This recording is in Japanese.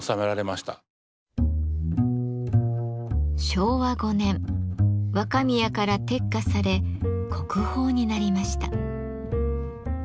昭和５年若宮から撤下され国宝になりました。